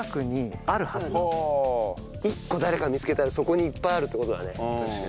１個誰か見つけたらそこにいっぱいあるって事だね。